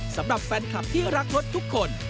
สำหรับแฟนคลับที่รักรถทุกคน